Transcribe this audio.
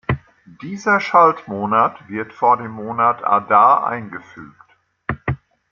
Dieser Schalt-Monat wird vor dem Monat "Adar" eingefügt.